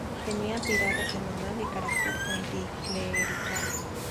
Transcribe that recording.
Tenía tirada semanal y carácter anticlerical.